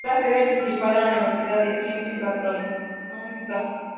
Es la sede principal de la Universidad de Ciencias Gastronómicas.